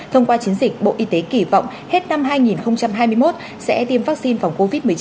thông qua chiến dịch bộ y tế kỳ vọng hết năm hai nghìn hai mươi một sẽ tiêm vaccine phòng covid một mươi chín